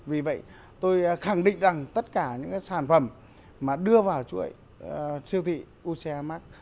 vì vậy tôi khẳng định rằng tất cả những sản phẩm mà đưa vào chuỗi siêu thị uca max